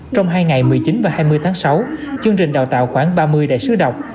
trong hai ngày một mươi chín và hai mươi tháng sáu chương trình đào tạo khoảng ba mươi đại sứ đọc